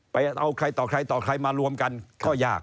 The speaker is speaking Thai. เอาใครต่อใครต่อใครมารวมกันก็ยาก